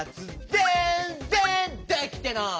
ぜんぜんできてない！